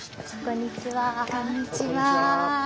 こんにちは。